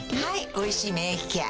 「おいしい免疫ケア」